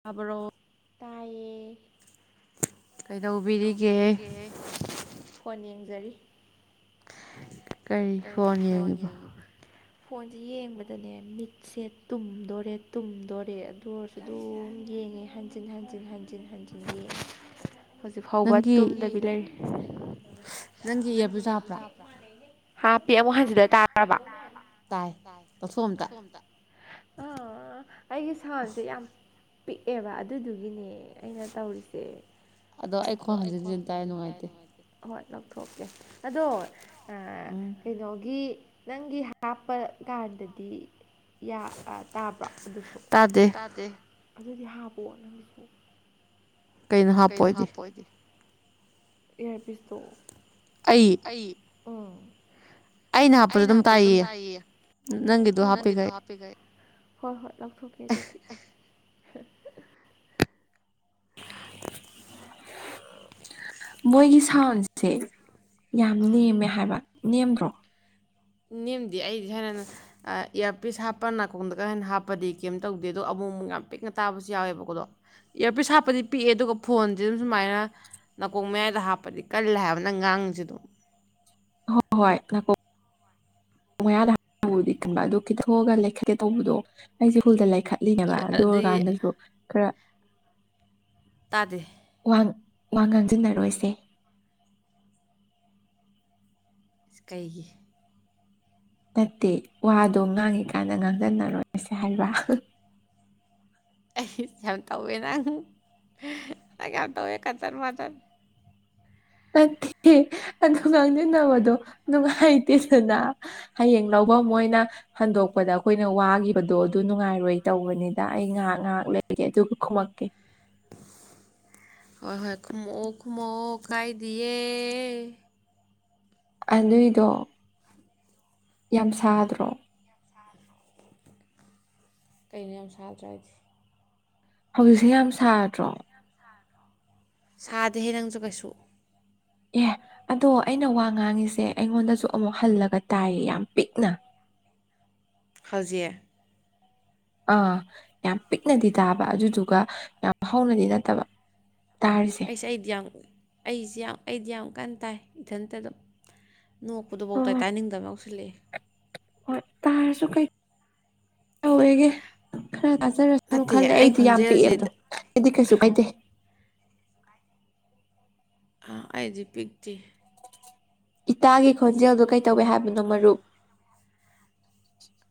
ꯇꯥꯕꯔꯣ ꯫ ꯀꯩꯗꯧꯕꯤꯔꯤꯒꯦ ꯐꯣꯟ ꯌꯦꯡ [unintelligible] [inaudible] ꯀꯔꯤ ꯐꯣꯟ ꯌꯦꯡꯉꯤꯕ? ꯐꯣꯟꯁꯦ ꯌꯦꯡꯕꯗꯅꯦ ꯃꯤꯠꯁꯦ ꯇꯨꯝꯗꯣꯔꯦ - ꯇꯨꯝꯗꯣꯔꯦ ꯑꯗꯨ ꯑꯣꯏꯔꯁꯨ ꯑꯗꯨꯝ ꯌꯦꯡꯉꯦ ꯍꯟꯖꯤꯟ ꯍꯟꯖꯤꯟ- ꯍꯟꯖꯤꯟ -ꯍꯟꯖꯤꯟ ꯌꯦꯡꯉꯦ꯫ ꯍꯧꯖꯤꯛ ꯐꯥꯎꯕ ꯅꯪꯒꯤ ꯇꯨꯝꯗꯕꯤ ꯂꯩꯔꯤ ꯅꯪꯒꯤ ꯏꯌꯥꯔꯄꯤꯁ ꯍꯥꯞꯄ꯭ꯔꯥ [unintelligible] ꯍꯥꯥꯞ ꯄꯤ ꯑꯃꯨꯛ ꯍꯟꯖꯤꯗ ꯇꯥꯔꯕ? ꯇꯥꯏ ꯂꯧꯊꯣꯛ ꯑꯝꯇ ꯑ ꯑꯩꯒꯤ ꯁꯥꯎꯟꯁꯦ ꯌꯥꯝ ꯄꯤꯛꯑꯦꯕ ꯑꯗꯨꯗꯨꯒꯤꯅꯦ ꯑꯩꯅ ꯇꯧꯔꯤꯁꯦ꯫ ꯑꯗꯣ ꯑꯩꯈꯣꯡ ꯍꯟꯖꯤꯟ - ꯍꯟꯖꯤꯟ ꯇꯥꯏ ꯅꯨꯡꯉꯥꯏꯇꯦ꯫ ꯍꯣꯏ ꯂꯧꯊꯣꯛꯀꯦ ꯑꯗꯣ ꯎꯝ꯫ ꯀꯩꯅꯣꯒꯤ ꯅꯪꯒꯤ ꯍꯥꯞꯄ ꯀꯥꯟꯗꯗꯤ ꯇꯥꯕ꯭ꯔꯣ ꯑꯗꯨꯁꯨ ꯇꯥꯗꯦ꯫ ꯑꯗꯨꯗꯤ ꯍꯥꯞꯄꯣ ꯀꯩꯅꯣ ꯍꯥꯞꯄ ꯑꯣꯏꯗꯤ? ꯌꯥꯔ ꯄꯤꯁꯇꯣ꯫ ꯑꯩ ꯑꯩꯅ ꯍꯥꯞꯄꯁꯨ ꯑꯗꯨꯝ ꯇꯥꯏꯌꯦꯌꯦ ꯅꯪꯒꯤꯗꯣ ꯍꯥꯞꯄꯤꯈꯩ ꯍꯣꯏ - ꯍꯣꯏ ꯂꯧ ꯀꯩ ꯑꯗꯨꯗꯤ [inaudible] ꯃꯣꯏꯒꯤ ꯁꯥꯥꯎꯟꯖꯦ ꯌꯥꯝ ꯅꯦꯝꯃꯦ ꯍꯥꯏꯕ ꯅꯦꯝꯗ꯭ꯔꫭ ꯅꯦꯝꯗꯦ ꯑꯩꯗꯤ ꯍꯥꯏꯅ ꯏꯌꯥꯔꯄꯤꯁ ꯍꯥꯞꯄ ꯅꯥꯀꯣꯡꯗꯒ ꯑꫭꯏꯅ ꯍꯥꯞꯄꯗꯤ ꯀꯩꯝ ꯇꯧꯗꯦ ꯑꯗꯣ ꯑꯃꯨꯛ ꯑꯃꯨꯛ ꯌꯥꯝ ꯄꯤꯛꯅ ꯇꯥꯕꯖꯨ ꯌꯥꯎꯋꯦꯕ ꯀꫭ ꯑꯗꫭ ꯏꯌꯥꯔꯄꯤꯁ ꯍꯥꯞꯄꯗꯤ ꯄꯤꯛꯑꯦ ꯑꯗꯨꯒ ꯐꯣꯟꯁꯦ ꯑꯗꯨꯝ ꯁꯨꯃꯥꯏꯅ ꯅꯥꯀꯣꯡ ꯃꯌꯥꯏꯗ ꯍꯥꯞꯄꯗꯤ ꯀꯜꯂꯦ ꯍꯥꯏꯕ ꯅꯪ ꯉꯥꯡꯉꯤꯖꯦ ꯑꯗꯨꯝ ꯍꯣꯏ ꯍꯣꯏ ꯅꯥꯀꯣꯛ ꯃꯌꯥꯗꯗꯤ ꯈꯟꯕ ꯑꯗꯨ ꯈꯤꯊꯣꯛꯑꯒ ꯂꯩꯈꯠꯀꯦ ꯇꯧꯕꯗꯣ ꯑꯩꯖꯦ ꯃꯨꯜꯗꫭ ꯈꯠꯂꯤꯅꯦꯕ ꯑꯗꯨ ꯑꯗꯨꯗꯤ ꯑꯣꯏꯔꯀꯥꯟꯗꯁꯨ ꯈꯔ ꯇꯥꯗꯦ ꯋꯥ ꯋꯥ ꯉꯥꯡꯖꯟꯅꯔꯣꯏꯁꯦ ꯀꯩꯒꯤ ꯅꯠꯇꯦ ꯋꯥꯗꯣ ꯉꯥꯡꯉꯤꯀꯥꯟꯗ ꯉꯥꯡꯖꯟꯅꯔꯣꯏꯁꯦ ꯍꯥꯏꯕ ꯑꯩ ꯌꯥꯝ ꯇꯧꯋꯦ ꯅꯪ ꯅꯪ ꯌꯥꯝ ꯇꯧꯋꯦ ꯀꯗ꯭ꯔ ꯃꯥꯗ꯭ꯔ ꯅꯠꯇꯦ ꯑꯗꯨ ꯉꯪꯃꯤꯟꯅꯕꯗꯣ ꯅꯨꯡꯉꯥꯏꯇꯦꯗꯅ ꯍꯌꯦꯡ ꯂꯧꯐꯝ ꯃꯣꯏꯅ ꯍꯟꯗꯣꯛꯄꯗ ꯑꯩꯈꯣꯏꯅ ꯋꯥꯈꯤꯕꯗꯣ ꯑꯗꯨ ꯅꯨꯡꯉꯥꯏꯔꯣꯏ ꯇꯧꯕꯅꯤꯗ ꯑꯩ ꯉꯥꯏꯍꯥꯛ ꯉꯥꯏꯍꯥꯛ ꯂꯩꯒꯦ ꯑꯗꯨꯒ ꯈꯨꯃꯛꯀꯦ ꯍꫭꯏ ꯍꯣꯏ ꯈꯨꯃꯥꯛꯑꫭ ꯈꯨꯃꯥꯛꯑꫭ ꯀꯥꯏꯗꯤꯌꯦ ꯑꯗꯨꯏꯗꯣ ꯌꯥꯝ ꯁꯥꯗ꯭ꯔꯣ ꯀꯩꯅꯣ ꯌꯥꯝ ꯁꯥꯗ꯭ꯔ ꯍꯥꯏꯗꯤ ꯍꯧꯖꯤꯛꯁ ꯌꯥꯝ ꯁꯥꯗ꯭ꯔꯣ ꯁꯥꯗꯦꯍꯦ ꯅꯪꯁꯨ ꯀꯩꯁꯨ ꯑꯦ ꯑꯗꯣ ꯑꯩꯅ ꯋꯥ ꯉꯥꯡꯉꯤꯁꯦ ꯑꯩꯉꯣꯟꯗꯁꯨ ꯑꯃꯨꯛ ꯍꯜꯂꯒ ꯇꯥꯏꯌꯦ ꯌꯥꯝ ꯄꯤꯛꯅ ꯑꯦ ꯑꯥ ꯌꯥꯝ ꯄꯤꯛꯅꯗꯤ ꯇꯥꯕ ꯑꯗꯨꯗꯨꯒ ꯌꯥꯝ ꯍꯧꯅꯗꯤ ꯅꯠꯇꯕ ꯇꯥꯔꯤꯁꯦ ꯑꯩꯁꯦ ꯑꯩꯗꯤ ꯌꯥꯝ ꯑꯩꯁꯦ ꯑꯩꯗꯤ ꯌꯥꯝ ꯀꯥꯟ ꯇꯥꯏ ꯏꯊꯟꯇ ꯑꯗꯨꯝ ꯅꯣꯛꯄꯗꯨꯐꯥꯎꯇꯥꯏ ꯍꯣꯏ ꯇꯥꯅꯤꯡꯗꯕ [unintelligible] ꯍꯣꯏ ꯇꯥꯔꯁꯨ ꯀꯩ ꯇꯧꯋꯦꯒꯦ ꯈꯔ ꯇꯖꯔꯁꯅꯨ ꯅꯠꯇꯦ ꯈꯜꯂꯦ ꯑꯩ ꯑꯩꯗꯤ ꯌꯥꯝ ꯈꯣꯟꯖꯦꯜꯁꯦ ꯄꯤꯛꯑꯦꯕꯗꯣ ꯑꯩꯗꯤ ꯀꯩꯁꯨ ꯀꯥꯏꯗꯦ ꯑꯥ ꯑꯩꯗꯤ ꯄꯤꯛꯇꯦ ꯏꯇꯥꯒꯤ ꯈꯣꯟꯖꯦꯜꯗꯨ ꯀꯩꯇꯧꯏ ꯍꯥꯏꯕꯅꯣ ꯃꯔꯨꯞ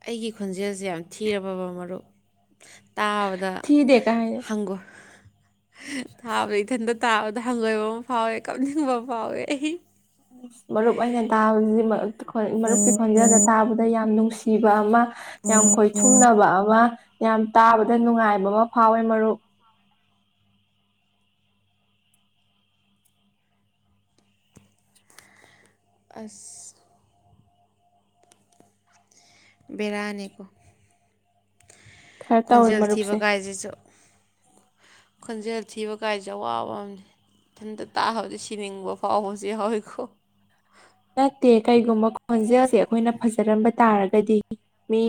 ꯑꯩꯒꯤ ꯈꯣꯟꯖꯦꯜ ꯁꯦ ꯌꯥꯝ ꯊꯤꯔꯕ ꯃꯔꯨꯞ ꯇꯥꯕꯗ ꯊꯤꯗꯦ ꯀꯥꯏ ꯍꯥꯏꯅ ꯍꯪꯒꯣꯏ ꯊꯥꯕꯗ ꯏꯊꯟꯇ ꯇꯥꯕꯗ ꯍꯪꯒꯣꯏꯕ ꯑꯃ ꯐꯥꯎꯋꯦ ꯀꯞꯅꯤꯡꯕ ꯑꯃ ꯐꯥꯎꯋꯦ ꯑꯩ ꯃꯔꯨꯞ ꯑꯩꯅ ꯇꯥꯕꯁꯤꯗꯤ ꯃꯔꯨꯞ ꯃꯔꯨꯞꯀꯤ ꯈꯣꯟꯖꯦꯜꯗ ꯇꯥꯕꯗ ꯌꯥꯝ ꯅꯨꯡꯁꯤ ꯁꯤꯕ ꯑꯃ ꯌꯥꯝ ꯈꯣꯏꯊꯨꯝꯅꯕ ꯑꯃ ꯌꯥꯝ ꯇꯥꯕꯗ ꯅꯨꯡꯉꯥꯏꯕ ꯑꯃ ꯐꯥꯎꯋꯦ ꯃꯔꯨꯞ ꯑꯁ ꯕꯦꯔꯥꯅꯤꯀꫭ ꯈꯔ ꯇꯧꯔꯦ ꯈꯣꯟꯖꯦꯜ ꯊꯤꯕ ꯃꯔꯨꯞꯁꯦ ꯀꯥꯏꯁꯤꯁꯨ ꯈꯣꯟꯖꯦꯜ ꯊꯤꯕ ꯀꯥꯏꯁꯦ ꯑꯋꯥꯕ ꯑꯃ ꯏꯊꯟꯇ ꯇꯥꯕꯗ ꯁꯤꯅꯤꯡꯕ ꯐꯥꯎꯕꯁꯨ ꯌꯥꯎꯋꯤꯀꯣ ꯅꯠꯇꯦ ꯀꯔꯤꯒꯨꯝꯕ ꯈꯣꯟꯖꯦꯜꯁꯦ ꯑꯩꯈꯣꯏꯅ ꯐꯖꯔꯝꯕ ꯇꯥꯔꯒꯗꯤ ꯃꯤ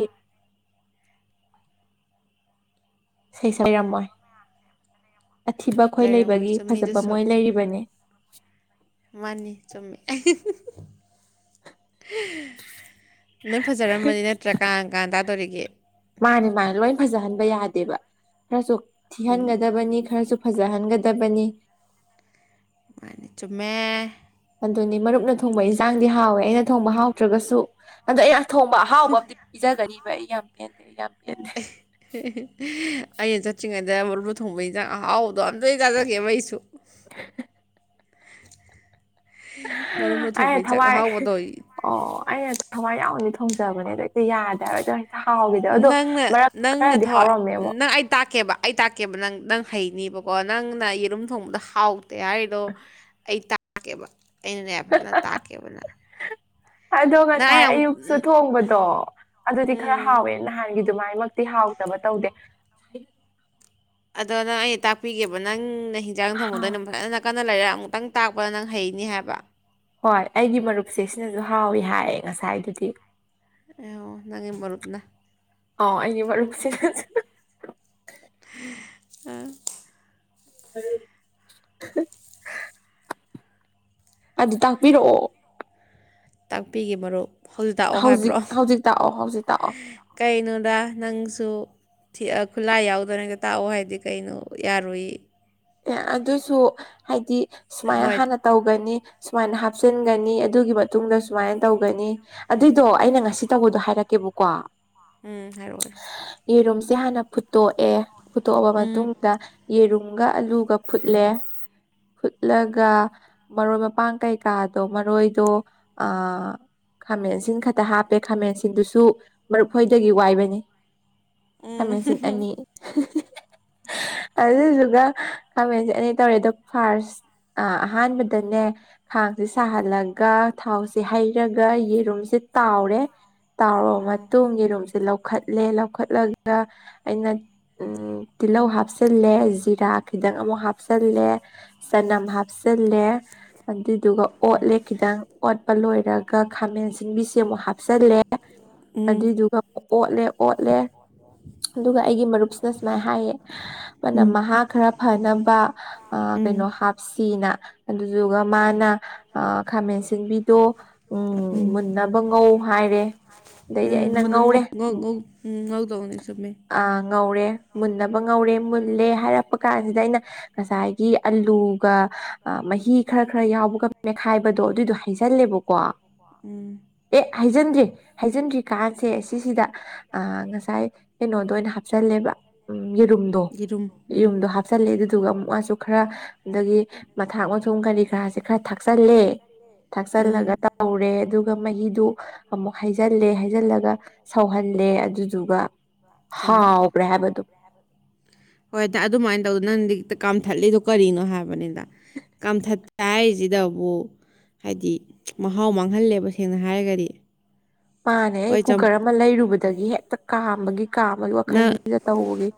ꯁꯩꯁꯣꯏꯔꯝꯃꯣꯏ ꯑꯊꯤꯕ ꯑꯩꯈꯣꯌ ꯂꯩꯔꯝꯃꯣꯏ ꯂꯩꯕꯒꯤ ꯐꯖꯕ ꯆꯨꯝꯃꯤꯗꯨꯁꯨ ꯃꯣꯏ ꯂꯩꯔꯤꯕꯅꯤ [inaudible] [inaudible] ꯂꯣꯌ ꯐꯖꯔꯝꯃꯗꯤ ꯅꯠꯇ꯭ꯔ ꯀꯥ ꯀꯥꯟ ꯇꯥꯗꯣꯔꯤꯦ ꯌꯦ ꯃꯥꯅꯦ ꯃꯥꯅꯦ ꯂꯣꯏ ꯐꯖꯍꯟꯕ ꯌꯥꯗꯦꯕ ꯈꯤꯇꯡꯁꯨ ꯊꯤꯍꯟꯒꯗꯕꯅꯤ ꯈꯔꯁꯨ ꯐꯖꯍꯟꯒꯗꯕꯅꯤ ꯃꯥꯅꯤ ꯆꯃꯦ ꯑꯗꯨꯅꯤ ꯃꯔꯨꯞꯅ ꯊꯣꯡꯕ ꯏꯟꯁꯥꯡꯗꯤ ꯍꯥꯎꯋꯦ ꯑꯩꯅ ꯊꯣꯡꯕ ꯍꯥꯎꯇ꯭ꯔꯒꯁꯨ ꯑꯗꯣ ꯑꯩ ꯊꯣꯡꯕ ꯑꯍꯥꯎꯕ ꯑꯝꯇ ꯄꯤꯖꯒꯅꯤ ꯑꯩꯌꯝ ꯄꯦꯅꯗꯦ ꯑꯩꯌꯥꯝ [inaudible] ꯑꯩꯅ ꯆꯠꯇ꯭ꯔꯤꯉꯩꯗ ꯃꯔꯨ ꯊꯣꯡꯕ ꯍꯟꯖꯥꯡ ꯑꯍꯥꯎꯕꯗꯣ ꯑꯝꯇ ꯆꯥꯖꯒꯦꯕ ꯑꯩꯁꯨ [inaudible] [inaudible] ꯃꯔꯨꯝꯅ ꯊꯣꯡꯕ ꯑꯩꯅ ꯏꯟꯖꯥꯡ ꯊꯋꯥꯏ ꯑꯍꯥꯎꯕꯗꯣ ꯑꯣ ꯑꯩꯅ ꯊꯋꯥꯏ ꯌꯥꯎ ꯅꯤ ꯊꯣꯡꯖꯕꯅꯦ ꯑꯗꯣ ꯇꯤꯌꯗꯦ ꯍꯥꯌꯕꯥ ꯑꯗꯨ ꯅꯪꯅ ꯅꯪꯅ ꯊꯣꯏ ꯍꯥꯎꯔꯝꯃꯦ ꯑꯃꯨꯛ ꯅꯪ ꯑꯩ ꯇꯥꯛꯀꯦꯕ ꯑꯩ ꯇꯥꯛꯀꯦꯕ ꯅꯪ ꯅꯪ ꯍꯩꯅꯤꯕꯀꯣ ꯅꯪꯅ ꯌꯦꯔꯨꯝ ꯊꯣꯡꯕꯗ ꯍꯥꯎꯇꯦ ꯍꯥꯏꯗꯣ ꯑꯩ ꯇꯥꯛꯀꯦꯕ ꯑꯩꯅꯅꯦ ꯐꯖꯅ ꯇꯥꯛꯀꯦꯕꯅ ꯑꯗꯣ ꯉꯁꯥꯏ ꯑꯌꯨꯛꯁꯨ ꯊꯣꯡꯕꯗꯣ ꯑꯗꯨꯗꯤ ꯈꯔ ꯎꯝ ꯍꯥꯎꯋꯦ ꯅꯍꯥꯟꯒꯤ ꯑꯗꯨꯃꯥꯏꯃꯛꯇꯤ ꯍꯥꯎꯇꯕ ꯇꯧꯗꯦ ꯑꯗꯣ ꯅꯪ ꯑꯩ ꯇꯥꯛꯄꯤꯒꯦꯕ ꯅꯪ ꯅꯩ ꯍꯤꯟꯖꯥꯡ ꯊꯣꯡꯕꯗꯨ ꯍꯥꯎꯋꯦ ꯑꯩꯅꯥ ꯐꯖꯅ ꯀꯟꯅ ꯂꯩꯔ ꯑꯃꯨꯛꯇꯪ ꯇꯥꯛꯄꯅ ꯅꯪ ꯍꯩꯅꯤ ꯍꯥꯏꯕ ꯍꯣꯏ ꯑꯩꯒꯤ ꯃꯔꯨꯞꯁꯦ ꯁꯤꯅꯁꯨ ꯍꯥꯎꯋ ꯍꯥꯏꯌꯦ ꯉꯁꯥꯏꯕꯨꯗꯤ ꯑꯩ ꯑꯣ ꯅꯪꯒꯤ ꯃꯔꯨꯞꯅ ꯑꯥꯎ ꯑꯩꯒꯤ ꯃꯔꯨꯞꯁꯤ ꯑ ꯃꯔꯨꯞ ꯑꯗꯨ ꯇꯥꯛꯄꯤꯔꯛꯑꯣ ꯇꯥꯛꯄꯤꯒ ꯃꯔꯨꯞ ꯍꯧꯖꯤꯛ ꯇꯥꯛꯑꯣ ꯍꯧꯖꯤꯛ ꯍꯥꯏꯕ꯭ꯔꯣ ꯍꯧꯖꯤꯛ ꯇꯥꯛꯑꯣ ꯍꯧꯖꯤꯛ ꯇꯥꯛꯑꯣ ꯑꯗ ꯅꯪꯁꯨ ꯈꯨꯠꯂꯥꯏ ꯌꯥꯎꯗꯔꯤꯉꯩꯗ ꯇꯥꯛꯑꯣ ꯍꯥꯏꯗꯤ ꯀꯩꯅꯣ ꯌꯥꯔꯨꯏ ꯑꯦ ꯑꯗꯨꯁꯨ ꯍꯥꯏꯗꯤ ꯁꯨꯃꯥꯏꯅ ꯍꯣꯏ ꯍꯥꯟꯅ ꯇꯧꯒꯅꯤ ꯁꯨꯃꯥꯏꯅ ꯍꯥꯞꯆꯤꯟꯒꯅꯤ ꯑꯗꯨꯒꯤ ꯃꯇꯨꯡꯗ ꯁꯨꯃꯥꯏꯅ ꯇꯧꯒꯅꯤ ꯑꯗꯨꯏꯗꯣ ꯑꯩꯅ ꯉꯁꯤ ꯇꯧꯕꯗꯣ ꯍꯥꯏꯔꯛꯀꯦꯕꯀꯣ ꯎꯝ ꯍꯥꯏꯔꯛꯑꯣ ꯌꯦꯔꯨꯝꯁꯦ ꯍꯥꯟꯅ ꯐꯨꯠꯇꯣꯛꯑꯦ ꯐꯨꯠꯇꯣꯛꯑꯕ ꯎꯝ ꯃꯇꯨꯡꯗ ꯌꯦꯔꯨꯝ ꯑꯂꯨꯒ ꯐꯨꯠꯂꯦ ꯐꯨꯠꯂꯒ ꯃꯔꯣꯏ ꯃꯄꯥꯡ ꯀꯩꯀꯥꯗꯣ ꯃꯔꯣꯏꯗꯣ ꯈꯥꯃꯦꯟꯁꯤꯟ ꯈꯛꯇ ꯍꯥꯞꯄꯦ ꯈꯥꯃꯦꯟꯁꯤꯟꯗꯨꯁꯨ ꯃꯔꯨꯞꯗꯒꯤ ꯋꯥꯏꯕꯅꯤ ꯎꯝ ꯍꯃꯦꯁ ꯑꯅꯤ ꯑꯗꯨꯗꯨꯁꯨꯒ ꯈꯥꯃꯦꯟꯁꯦ ꯑꯅꯤ ꯇꯧꯔꯦ ꯑꯗꯣ ꯐꯥꯔꯁ ꯑꯍꯥꯟꯕꯗꯅꯦ ꯈꯥꯡꯁꯦ ꯁꯥꯍꯜꯂꯒ ꯊꯥꯎꯁꯦ ꯍꯩꯔꯒ ꯌꯦꯔꯨꯝꯁꯦ ꯇꯥꯎꯔꯦ ꯇꯥꯎꯔꯕ ꯃꯇꯨꯡꯒꯤ ꯔꯨꯝꯁꯦ ꯂꯧ ꯂꯧꯈꯠꯂꯦ ꯂꯧꯈꯠꯂꯒ ꯑꯩꯅ ꯇꯤꯜꯍꯧ ꯍꯥꯞꯆꯤꯜꯂꯦ ꯖꯤꯔꯥ ꯈꯤꯇꯪ ꯑꯃꯨꯛ ꯍꯥꯞꯆꯜꯂꯦ ꯆꯅꯝ ꯍꯥꯞꯆꯜꯂꯦ ꯑꯗꯨ ꯑꯗꯨꯒ ꯑꯣꯠꯂꯦ ꯈꯤꯇꯪ ꯑꯣꯠꯄ ꯂꯣꯏꯔꯒ ꯈꯥꯃꯦꯟ ꯁꯤꯡꯕꯤꯁꯦ ꯑꯃꯨꯛ ꯍꯥꯞꯆꯜꯂꯦ ꯎꯝ ꯑꯗꯨꯏꯗꯨꯒ ꯑꯃꯨꯛ ꯑꯣꯠꯂꯦ-ꯑꯣꯠꯂꯦ ꯑꯗꯨꯒ ꯑꯩꯒꯤ ꯃꯔꯨꯞꯁꯤꯅ ꯁꯨꯃꯥꯏꯅ ꯍꯥꯏꯌꯦ ꯃꯥꯅ ꯃꯍꯥ ꯈꯔ ꯅꯕ ꯑ ꯀꯩꯅꯣ ꯎꯝ ꯍꯥꯞꯁꯤꯅ ꯑꯗꯨꯗꯨꯒ ꯃꯥꯅ ꯑ ꯈꯥꯃꯦꯟ ꯁꯤꯡꯕꯤꯗꯣ ꯎꯝ ꯃꯨꯟꯅꯕ ꯉꯧ ꯍꯥꯏꯔꯦ ꯑꯗꯩꯗꯤ ꯎꯝ ꯑꯩꯅ ꯃꯅꯝ ꯉꯧꯔꯦ ꯉꯧꯗꯧꯅꯦ ꯆꯨꯝꯃꯦ ꯑ ꯉꯧꯔꯦ꯫ ꯃꯨꯟꯅꯕ ꯉꯧꯔꯦ ꯃꯨꯜꯂꯦ ꯍꯥꯏꯔꯛꯄ ꯀꯥꯟꯁꯤꯗ ꯑꯩꯅ ꯉꯁꯥꯏꯒꯤ ꯑꯂꯨꯒ ꯃꯍꯤ ꯈꯔ-ꯈꯔ ꯌꯥꯎꯕꯒ ꯃꯦꯠꯈꯥꯏꯕꯗꯣ ꯑꯗꯨꯏꯗꯣ ꯍꯩꯖꯜꯂꯦꯕꯀꯣ ꯎꯝ ꯑꯦ ꯍꯥꯏꯖꯤꯟꯗ꯭ꯔꯤ ꯍꯥꯏꯖꯤꯟꯗ꯭ꯔꯤꯀꯥꯟꯥꯁꯦ ꯁꯤꯁꯤꯗ ꯑ ꯉꯁꯥꯏ ꯀꯩꯅꯣꯗꫭ ꯑꯣꯏꯅ ꯍꯥꯞꯆꯜꯂꯦꯕ꯫ ꯌꯦꯔꯨꯝꯗꯣ ꯌꯦꯔꯨꯝ ꯎꯝ ꯌꯦꯔꯨꯝꯗꯣ ꯍ ꯍꯥꯞꯆꯜꯂꯦ ꯑꯗꯨꯗꯨ ꯑꯃꯨꯛ ꯃꯥꯁꯨ ꯈꯔ ꯑꯗꯒꯤ ꯃꯊꯥꯛ ꯃꯊꯨ ꯁꯨꯝ ꯀꯔꯤ ꯀꯔꯥꯁꯦ ꯈꯔ ꯊꯥꯛꯆꯤꯜꯂꯦ ꯊꯥꯛꯆꯤꯜꯂꯒ ꯎꯝ ꯇꯧꯔꯦ ꯑꯗꯨꯒ ꯃꯍꯤꯗꯨ ꯑꯃꯨꯛ ꯍꯩꯖꯤꯜꯂꯦ ꯍꯩꯖꯤꯜꯂꯒ ꯁꯧꯍꯜꯂꯦ ꯑꯗꯨꯗꯨꯒ ꯆꯥꯔꯦ ꯍꯥꯎꯒꯔꯦ ꯍꯥꯏꯕꯗꯨꯝ꯫ ꯍꯣꯏ ꯑꯗꯨꯃꯥꯏꯅ ꯇꯧꯗ ꯅꯪꯗꯤ ꯍꯦꯛꯇ ꯀꯥꯝꯊꯠꯂꯤꯗꯣ ꯀꯔꯤꯅꯣ ꯍꯥꯏꯕꯅꯤꯗ꯫ [inaudible] ꯀꯥꯝꯊꯠ ꯍꯥꯏꯔꯤꯁꯤꯗꯕꯨ ꯍꯥꯏꯗꯤ ꯃꯍꯥꯎ ꯃꯥꯡꯍꯜꯂꯦꯕ ꯁꯦꯡꯅ ꯍꯥꯏꯔꯒꯗꯤ꯫ ꯃꯥꯥꯅꯦ ꯑꯩ ꯍꯣꯏ ꯀꯨꯀꯔ ꯑꯃ ꯂꯩꯔꯨꯕꯗꯒꯤ ꯍꯦꯛꯇ ꯀꯥꯞ ꯕꯒꯤ ꯀꯥꯕꯒꯤ ꯅ ꯋꯥꯈꯜꯁꯤꯗ ꯇꯧꯕꯒꯤ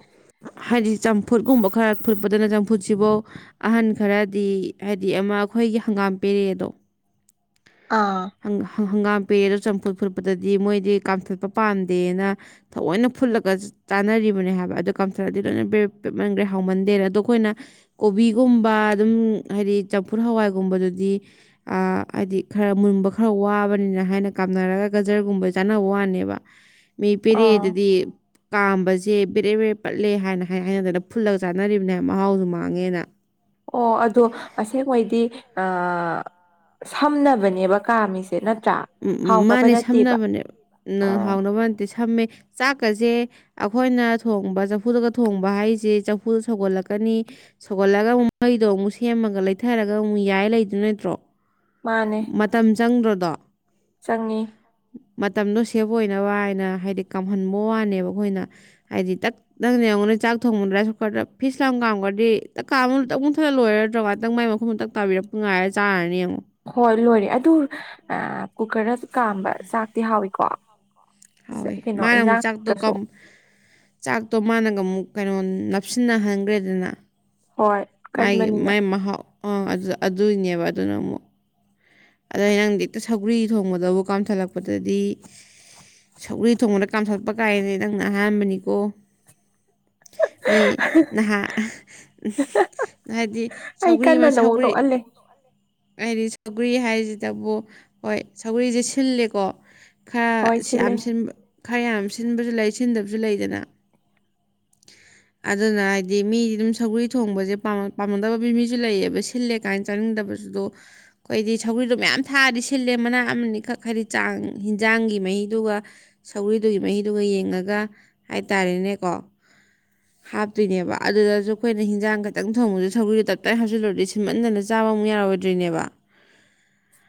ꯍꯥꯏꯗꯤ ꯆꯝꯐꯨꯠꯀꯨꯝꯕ ꯈꯔ ꯐꯨꯠꯄꯗꯅ ꯆꯝꯐꯨꯠꯁꯤꯐꯧ ꯑꯍꯟ ꯈꯔꯗꯤ ꯍꯥꯏꯗꯤ ꯑꯃ ꯑꯩꯈꯣꯏꯒꯤ ꯍꯪꯒꯥꯝ ꯄꯦꯔꯛꯑꯦꯗꯣ ꯑꯥ ꯍꯪꯒꯥꯝ ꯄꯦꯑꯦ ꯑꯗꯣ ꯆꯝꯐꯨꯠ ꯐꯨꯠꯄꯗꯗꯤ ꯃꯣꯏꯗꯤ ꯀꯥꯝꯊꯠꯄ ꯄꯥꯝꯗꯦꯅ ꯊꯑꯣꯏꯅ ꯐꯨꯠꯂꯒ ꯆꯥꯅꯔꯤꯕꯅꯦ ꯍꯥꯏꯕ ꯑꯗꯣ ꯀꯥꯝꯊꯠꯂꯗꯤ ꯂꯣꯏꯅ ꯄꯦꯃꯟꯈ꯭ꯔꯦ ꯍꯥꯎꯃꯟꯗꯦꯅ ꯑꯗꯣ ꯑꯩꯈꯣꯏꯅ ꯀꯣꯕꯤꯒꯨꯝꯕ ꯑꯗꯨꯝ ꯍꯥꯏꯗꯤ ꯆꯝꯐꯨꯠ ꯍꯋꯥꯏꯒꯨꯝꯕꯗꯨꯗꯤ ꯍꯥꯏꯗꯤ ꯑꯥ ꯈꯔ ꯃꯨꯟꯕ ꯈꯔ ꯋꯥꯕꯅꯤꯅ ꯍꯥꯏꯅ ꯀꯥꯝꯅꯔꯒ ꯒꯖꯔꯒꯨꯝꯕꯩ ꯆꯥꯅꯕ ꯋꯥꯅꯦꯕ꯫ ꯃꯤ ꯑꯥ ꯄꯤꯔꯦꯗꯨꯗꯤ ꯀꯥꯝꯕꯁꯦ ꯕꯦꯔꯦ-ꯕꯦꯔꯦ ꯄꯠꯂꯦ ꯍꯥꯏꯅ ꯍꯥꯏ ꯍꯥꯏꯅꯗꯅ ꯐꯨꯠꯂꯒ ꯆꯥꯅꯔꯤꯕꯅꯦ ꯃꯍꯥꯎꯁꯨ ꯃꯥꯡꯉꯦꯅ꯫ ꯑꯣ ꯑꯗꯣ ꯑꯁꯦꯡꯕꯩꯗꯤ ꯑꯥ ꯁꯝꯅꯕꯅꯦꯕ ꯀꯥꯝꯃꯤꯁꯦ ꯅꯠ ꯎꯝ ꯃꯥꯅꯦ ꯁꯝꯅꯕꯅꯦ ꯅ ꯍꯥꯎꯅꯕ ꯅꯠꯇꯦ ꯁꯝꯃꯦ ꯆꯥꯛꯀꯁꯦ ꯑꯩꯈꯣꯏꯅ ꯊꯣꯡꯕ ꯆꯐꯨꯗꯒ ꯊꯣꯡꯕ ꯍꯥꯏꯁꯦ ꯆꯐꯨ ꯁꯧꯒꯠꯂꯛꯀꯅꯤ ꯁꯧꯒꯠꯂꯒ ꯑꯃꯨꯛ ꯃꯩꯗꯣ ꯑꯃꯨꯛ ꯁꯦꯝꯃꯒ ꯂꯩꯊꯔꯒ ꯑꯃꯨꯛ ꯌꯥꯏ ꯂꯩꯗꫭꯏ ꯅꯠꯇ꯭ꯔꯣ꯫ ꯃꯥꯅꯦ ꯃꯇꯝ ꯆꯪꯗ꯭ꯔꫭ꯫ ꯗꫭ ꯆꯪꯉꯤ꯫ ꯃꯇꯝꯗꯣ ꯁꯦꯐ ꯑꯣꯏꯅꯕ ꯍꯥꯏꯅ ꯍꯥꯏꯗꯤ ꯀꯥꯝꯍꯟꯕ ꯋꯥꯅꯦꯕ ꯑꯩꯈꯣꯏꯅ ꯍꯥꯏꯗꯤ ꯇꯛ ꯅꯪꯪꯅ ꯌꯦꯡꯉꯨꯅꯦ ꯆꯥꯛ ꯊꯣꯡꯎꯗ꯭ꯔꯥ ꯀꯨꯀꯔꯗ ꯐꯤꯁ ꯂꯥꯎ ꯀꯥꯝꯒ꯭ꯔꯗꯤ ꯇꯛ ꯀꯥꯝ ꯇꯛ ꯃꯨꯊꯠꯂ ꯂꯣꯏꯔꯗ꯭ꯔꯣ ꯉꯥꯛꯇꯪ ꯃꯥꯏ ꯃꯈꯨꯝꯗꫭ ꯇꯛ ꯇꯥꯕꯤꯔꯛ ꯄꯨ ꯉꯥꯏꯔ ꯆꯥꯔꯅꯤ ꯌꯦꯡꯉꯨ꯫ ꯍꯣꯏ ꯂꯣꯏꯔꯦ ꯑꯗꯨ ꯑꯥ ꯀꯨꯀꯔꯗ ꯀꯥꯝꯕ ꯆꯥꯛꯇꯤ ꯍꯥꯎꯏꯀꯣ꯫ ꯍꯥꯎꯋꯦ ꯃꯥꯅ ꯑꯃꯨꯛ ꯆꯥꯛꯇꯣ ꯀꯝ ꯆꯥꯛꯇꯣ ꯃꯥꯅꯒ ꯑꯃꯨꯛ ꯀꯩꯅꯣ ꯅꯞꯁꯤꯟꯅꯍꯟꯒ꯭ꯔꯦꯗꯅ꯫ ꯍꯣꯏ ꯃꯥꯥꯏꯒꯤ ꯀꯟꯕꯅꯤꯅ ꯃꯥꯏ ꯃꯍꯥꯎ ꯑꯥ ꯑꯗꯨ ꯑꯗꯨꯏꯅꯦꯕ ꯑꯗꯨꯅ ꯑꯃꯨꯛ ꯑꯗꯩ ꯅꯪꯗꯤ ꯍꯦꯛꯇ ꯁꯧꯒꯔꯤ ꯊꯣꯡꯕꯗꯕꯨ ꯀꯥꯝꯊꯠꯂꯛꯄꯗꯗꯤ ꯁꯧꯒ꯭ꯔꯤ ꯊꯣꯡꯕꯗ ꯀꯥꯝꯊꯠꯂꯛꯄ ꯀꯥꯏꯅ ꯗꯨꯗꯤ ꯅꯪꯅ ꯑꯍꯥꯟꯕꯅꯤꯀꯣ ꯃꯤ ꯅꯍꯥ ꯍꯥꯏꯗꯤ ꯑꯩ ꯁꯧꯒꯔꯤ ꯑꯃ ꯀꯟꯅ ꯅ ꯑꯃꯨꯛ ꯁꯧꯒꯔꯤ ꯅꯣꯛꯍꯜꯂꯦ ꯑꯩꯔꯤ ꯁꯧꯒꯔꯤ ꯍꯥꯏꯁꯤꯗꯕꯨ ꯍꯣꯏ ꯁꯧꯒꯔꯤꯁꯦ ꯁꯤꯜꯂꯦꯀꯣ ꯈꯔ ꯍꯣꯏ ꯁꯤ ꯌꯥꯝ ꯁꯤꯜꯂꯦ ꯁꯤꯟꯕ ꯈꯔ ꯌꯥꯝ ꯁꯤꯟꯕꯁꯨ ꯂꯩ ꯁꯤꯟꯗꯕꯁꯨ ꯂꯩꯗꯅ ꯑꯗꯨꯅ ꯍꯥꯏꯗꯤ ꯃꯤꯗꯨꯝ ꯁꯒꯔꯤ ꯊꯣꯡꯕꯁꯦ ꯄꯥꯝ ꯄꯥꯝꯃꯝꯗꯕ ꯃꯤ ꯃꯤꯁꯨ ꯂꯩꯌꯦꯕ ꯁꯤꯜꯂꯦ ꯀꯥꯏꯅ ꯆꯥꯅꯤꯡꯗꯕꯁꯨ ꯑꯩꯈꯣꯗꯤ ꯁꯧꯒ꯭ꯔꯤꯗꯣ ꯃꯌꯥꯝ ꯊꯥꯛꯑꯗꯤ ꯁꯤꯜꯂꯦ ꯃꯅꯥ ꯑꯃꯅꯤꯈꯛ ꯍꯥꯏꯗꯤ ꯆꯥꯡ ꯍꯤꯟꯖꯥꯡꯒꯤ ꯃꯍꯤꯗꯨꯒ ꯁꯧꯒ꯭ꯔꯤꯗꯨꯒꯤ ꯃꯍꯤꯗꯨꯒ ꯌꯦꯡꯉꯒ ꯍꯥꯏꯇꯥꯔꯦꯅꯦꯀꫭ ꯍꯥꯞꯇꯣꯏꯅꯦꯕ ꯑꯗꯨꯗꯁꯨ ꯑꯩꯈꯣꯏꯅ ꯍꯤꯟꯖꯥꯡ ꯈꯇꯪ ꯊꯣꯡꯕꯗ ꯁꯧꯒ꯭ꯔꯤꯗꯨ ꯇꯞꯇꯥꯏ ꯍꯥꯞꯆꯤꯜꯂꯨꯔꯗꯤ ꯁꯤꯟꯃꯟꯗꯅ ꯆꯥꯕꯃꯨꯛ ꯌꯥꯔꯣꯏꯗ꯭ꯔꯤꯅꯦꯕ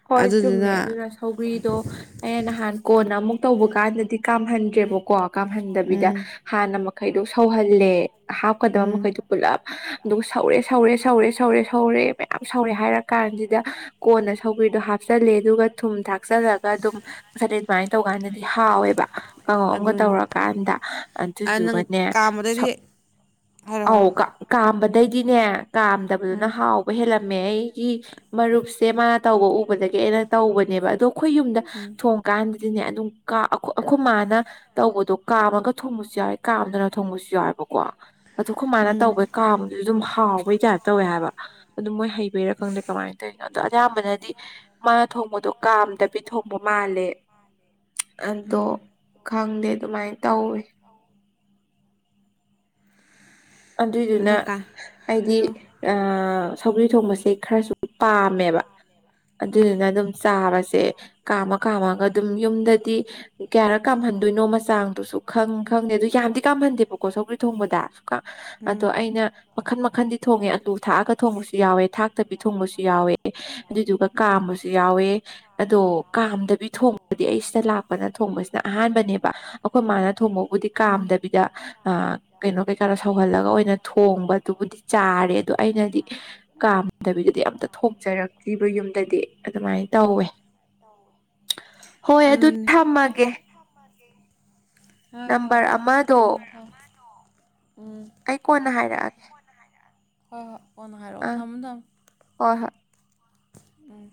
ꯍꯣꯏ ꯆꯨꯝꯃꯦ ꯑꯗꯨꯗꯨꯅ ꯑꯗꯨꯅ ꯁꯧꯒ꯭ꯔꯤꯗꯣ ꯑꯩꯅ ꯅꯍꯥꯟ ꯀꯣꯟꯅ ꯑꯃꯨꯛ ꯇꯧꯕ ꯀꯥꯟꯗꯗꯤ ꯀꯥꯝꯍꯟꯗ꯭ꯔꯦꯕꯀꯣ ꯀꯥꯝꯍꯟꯗꯕꯤꯗ ꯎꯝ ꯍꯥꯟꯅ ꯈꯩꯗꯣ ꯁꯧꯍꯜꯂꯦ ꯍꯥꯞꯀꯗꯕ ꯃꯈꯩꯗꯨ ꯄꯨꯂꯞ ꯑꯗꯨꯒ ꯁꯧꯔꯦ ꯁꯧꯔꯦ ꯁꯧꯔꯦ ꯁꯧꯔꯦ ꯁꯧꯔꯦ ꯃꯌꯥꯝ ꯁꯧꯔꯦ ꯍꯥꯏꯔ ꯀꯥꯟꯁꯤꯗ ꯀꯣꯟꯅ ꯁꯧꯒ꯭ꯔꯤꯗꯣ ꯍꯥꯞꯆꯤꯜꯂꯦ ꯑꯗꯨꯒ ꯊꯨꯝ ꯊꯥꯛꯆꯜꯂꯒ ꯑꯗꯨꯝ ꯃꯁꯥꯗꯤ ꯑꯗꯨꯃꯥꯏꯅ ꯇꯧꯀꯥꯟꯗꯗꯤ ꯍꯥꯎꯋꯦꯕ ꯀꯥꯡꯉꯩ ꯑꯝꯒ ꯑꯗꯨꯅꯤ ꯇꯧꯔꯀꯥꯟꯗ ꯑ ꯅꯪ ꯑꯗꯨꯗꯨꯒꯅꯦ ꯁꯧ ꯀꯥꯝꯕꯗꯩꯗꯤ ꯍꯥꯏꯔꯣ ꯑꯧ ꯍꯥꯏꯔꯣ ꯀꯥꯝꯕ ꯗꯩꯗꯤꯅꯦ ꯀꯥꯝꯗꯕꯗꯨꯅ ꯑꯥ ꯍꯥꯎꯕ ꯍꯦꯜꯂꯝ ꯃꯦ ꯑꯩꯒꯤ ꯃꯔꯨꯨꯞꯁꯦ ꯃꯥ ꯇꯧꯕ ꯎꯕꯗꯒꯤ ꯑꯩꯅ ꯇꯧꯕꯅꯦꯕ ꯑꯗꯨ ꯑꯩꯈꯣꯏ ꯌꯨꯝꯗ ꯊꯣꯡꯀꯥꯟꯗ ꯑꯗꯨꯅꯦ ꯑꯗꯨꯝ ꯀꯥ ꯑꯈꫭ ꯑꯩꯈꯣꯏ ꯃꯥꯅ ꯇꯧꯕꯗꯣ ꯀꯥꯝꯃꯒ ꯊꯣꯡꯕꯁꯨ ꯌꯥꯎꯋꯦ ꯀꯥꯝꯗꯅ ꯊꯣꯡꯕꯁꯨ ꯌꯥꯎꯋꯦꯕꯀꯣ ꯑꯗꯨ ꯈꫭꯏꯃꯥꯅ ꯎꯝ ꯇꯧꯕꯩ ꯀꯥꯝꯕꯗꯨ ꯑꯗꯨꯝ ꯍꯥꯎ ꯃꯣꯏ ꯀꯌꯥꯔ ꯇꯧꯋꯦ ꯍꯥꯏꯕ ꯑꯗꯨ ꯃꯣꯏ ꯍꯩꯕꯤꯔꯥ ꯈꯪꯗꯦ ꯀꯥꯏ ꯇꯧꯋꯤ ꯑꯣ ꯑꯗꯨꯍ ꯗꯤ ꯃꯥ ꯊꯣꯡꯕꯗꯣ ꯀꯥꯝꯗꯕꯤ ꯊꯣꯡꯕ ꯃꯥꯜꯂꯦ ꯑꯗꯣ ꯎꯝ ꯈꯪꯗꯦ ꯑꯗꯨꯃꯥꯏꯅ ꯇꯧꯋꯤ ꯑꯗꯨꯏꯗꯨꯅ ꯑꯗꯣ ꯀꯥ ꯑꯩꯗꯤ ꯍꯥꯏꯔꯣ ꯑ ꯁꯧꯒꯔꯤ ꯊꯣꯡꯕꯁꯦ ꯈꯔꯁꯨ ꯄꯥꯝꯃꯦꯕ ꯑꯥ ꯑꯗꯨꯗꯨꯅ ꯑꯗꯨꯝ ꯆꯥꯔꯁꯦ ꯁꯦ ꯀꯥꯃ ꯀꯥꯝꯃꯒ ꯑꯗꯨꯝ ꯌꯨꯝꯗꯗꯤ ꯀꯌꯥꯔꯛ ꯀꯥꯝꯍꯟꯗꯣꯏꯅꯣ ꯃꯆꯥꯡꯗꯨꯁꯨ ꯈꯪ ꯈꯪꯗꯦ ꯑꯗꯨ ꯌꯥꯝꯗꯤ ꯀꯥꯝꯍꯟꯗꯦꯕꯀꯣ ꯁꯧꯒ꯭ꯔꯤ ꯊꯣꯡꯕꯗ ꯀ ꯑꯗꯣ ꯎꯝ ꯑꯩꯅ ꯃꯈꯟ ꯃꯈꯟꯗꯤ ꯊꯣꯡꯉꯦ ꯑꯂꯨ ꯊꯥꯛꯑꯒ ꯊꯣꯡꯕꯁꯨ ꯌꯥꯎꯋꯦ ꯊꯥꯛꯇꯕꯤ ꯊꯣꯡꯕꯁꯨ ꯌꯥꯎꯋꯦ ꯑꯗꯨꯏꯗꯨꯒ ꯀꯥꯝꯕꯁꯨ ꯌꯥꯎꯋꯦ ꯑꯗꯣ ꯀꯥꯝꯗꯕꯤ ꯊꯣꯡꯕꯗꯤ ꯑꯩ ꯁꯤꯗ ꯂꯥꯛꯄꯅ ꯊꯣꯡꯕꯁꯤꯅ ꯑꯍꯥꯟꯕꯅꯦꯕ ꯑꯩꯈꯣꯏ ꯃꯥꯅ ꯊꯣꯡꯕ ꯕꯨꯗꯤ ꯎꯝ ꯎꯝ ꯀꯥꯝꯗꯕꯤꯗ ꯑ ꯀꯩꯅꯣ ꯀꯩ ꯈꯔ ꯁꯧꯍꯜꯂꯒ ꯑꯣꯏꯅ ꯊꯣꯡꯕꯗꯨꯕꯨꯗꯤ ꯆꯥꯔꯦ ꯑꯗꯣ ꯑꯩꯅꯗꯤ ꯀꯥꯝꯗꯕꯤꯗꯗꯤ ꯑꯝꯇ ꯊꯣꯡꯖꯔꯛꯇ꯭ꯔꯤꯕ ꯌꯨꯝꯗꯗꯤ ꯑꯗꯨꯃꯥꯏꯅ ꯇꯧꯋꯦ ꯍꯣꯏ ꯑꯗꯨ ꯑꯗꯨꯅꯦ ꯊꯝꯃꯒꯦ ꯍꯣꯏ ꯍꯣꯏ ꯅꯝꯕꯔ ꯑꯃꯗꯣ ꯊꯝꯃꯣ ꯊꯝꯃ ꯑꯩ ꯀꯣꯟꯅ ꯍꯥꯏꯔꯛꯑꯒꯦ [unintelligible] ꯍꯣꯍꯣꯢ ꯀꯣꯟꯅ ꯍꯥꯏꯔꯛꯑꯣ ꯑꯥ ꯊꯝꯃꯣ ꯊꯝꯃꯣ ꯍꯣꯏ ꯍꯣꯏ ꯑꯣ